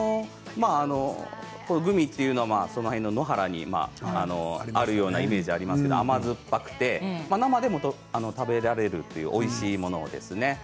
グミというのは、その辺の野原にあるようなイメージがありますけど甘酸っぱくて生でも食べられるというおいしいものですね。